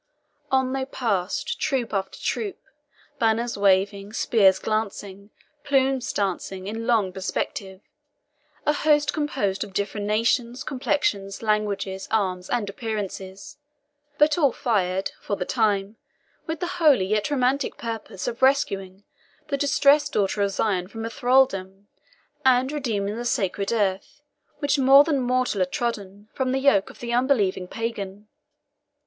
On they passed, troop after troop, banners waving, spears glancing, plumes dancing, in long perspective a host composed of different nations, complexions, languages, arms, and appearances, but all fired, for the time, with the holy yet romantic purpose of rescuing the distressed daughter of Zion from her thraldom, and redeeming the sacred earth, which more than mortal had trodden, from the yoke of the unbelieving pagan.